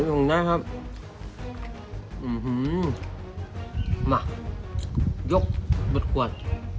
อืมยกบุ๊ดกวด